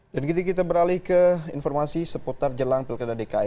dan gini kita beralih ke informasi seputar jelang pilkada dki